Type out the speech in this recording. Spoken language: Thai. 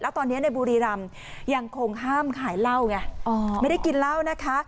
ตอนนี้ในบุรีรำยังคงห้ามขายเหล้าไงไม่ได้กินเหล้านะคะ